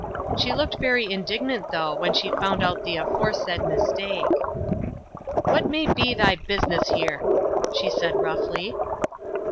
She looked very indignant, though, when she found out the aforesaid "mistake." "What may be thy business here?" she said, roughly.